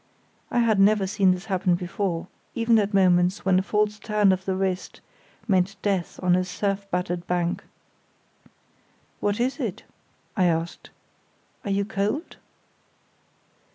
I had never seen this happen before, even at moments when a false turn of the wrist meant death on a surf battered bank. "What is it?" I asked; "are you cold?"